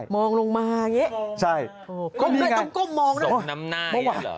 มองลงมาอย่างนี้ต้องก้มมองเลยเหรอ